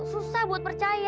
susah buat percaya